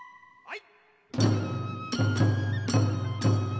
はい！